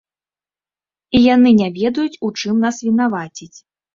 І яны не ведаюць, у чым нас вінаваціць.